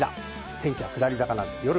天気は下り坂なんです。